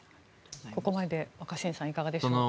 ここまで若新さんいかがでしょう。